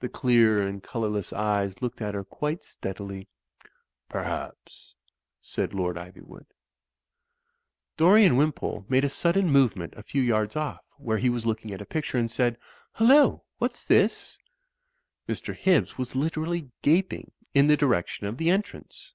The clear and colourless eyes looked at her quite steadily. "Perhaps," said Lord Iv3rwood. Dorian Wimpole made a sudden movement a few 3rards off, where he was looking at a picture, and said, "Hullo! What's this?" Mr. Hibbs was literally gap ing in the direction of the entrance.